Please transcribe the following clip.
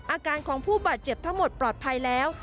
อาการของผู้บาดเจ็บทั้งหมดปลอดภัยแล้ว